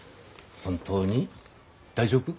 本当に大丈夫？